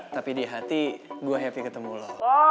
tapi di hati gue happy ketemu lo